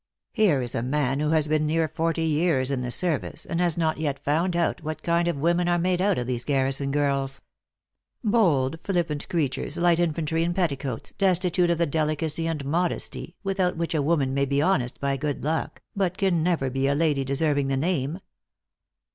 " Here is a man who has been near forty years in the service, and has not yet found out w r hat kind of women are made out of these garrison girls. Bold, flippant crea tures, light infantry in petticoats, destitute of the del 44: THE ACTRESS IN HIGH LIFE. icacy and modesty, without which a woman may be honest by good luck, but can never be a lady deserv ing the name.